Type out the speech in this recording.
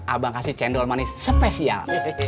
abang kasih cendol manis spesial